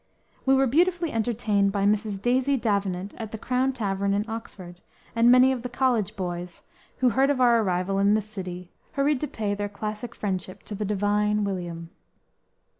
We were beautifully entertained by Mrs. Daisy Davenant at the Crown Tavern in Oxford, and many of the college "boys," who heard of our arrival in the city, hurried to pay their classic friendship to the "Divine" William.